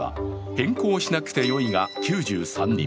変更しなくてよいが９３人。